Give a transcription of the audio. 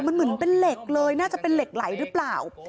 มันเหมือนเป็นเหล็กเลยน่าจะเป็นเหล็กไหลหรือเปล่า